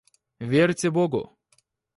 Верьте Богу.